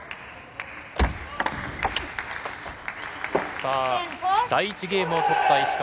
さあ、第１ゲームを取った石川。